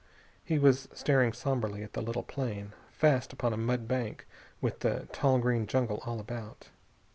He was staring somberly at the little plane, fast upon a mud bank, with the tall green jungle all about.